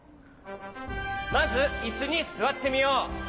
まずいすにすわってみよう。